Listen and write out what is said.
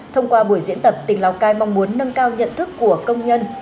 thông qua buổi diễn tập tỉnh lào cai mong muốn nâng cao nhận thức của công nhân